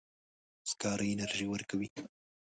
سکاره انرژي ورکوي.